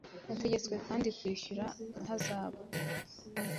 Yategetswe kandi kwishyura ihazabu